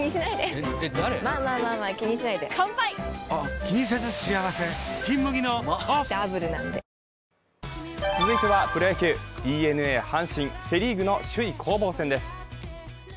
うまダブルなんで続いてはプロ野球、ＤｅＮＡ×阪神、セ・リーグの首位攻防戦です。